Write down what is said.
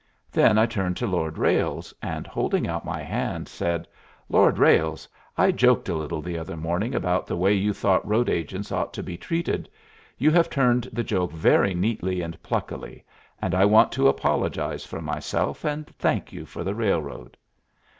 Then I turned to Lord Ralles, and, holding out my hand, said, "Lord Ralles, I joked a little the other morning about the way you thought road agents ought to be treated. You have turned the joke very neatly and pluckily, and I want to apologize for myself and thank you for the railroad."